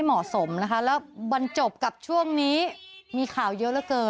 ก็เป็นพฤติกรรมที่ไม่เหมาะสมนะคะแล้วบันจบกับช่วงนี้มีข่าวเยอะเยอะเกิน